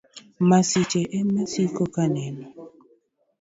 Masiche emaasiko kaneno.